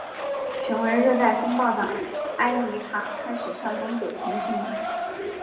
成为热带风暴的埃里卡开始向东北前进。